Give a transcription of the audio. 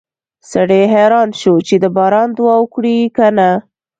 سړی حیران شو چې د باران دعا وکړي که نه